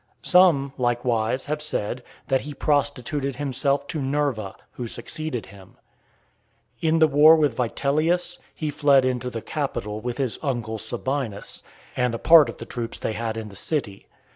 Some, likewise, have said, that he prostituted himself to Nerva, who succeeded him. In the war with Vitellius, he fled into the Capitol with his uncle Sabinus, and a part of the troops they had in the city .